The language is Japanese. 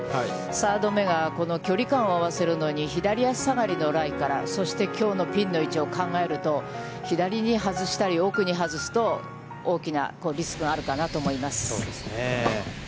サード目がこの距離感を合わせるのに左足下がりのライから、そして、きょうのピンの位置を考えると左に外したり、奥に外すと、大きなリスクがあるかなと思います。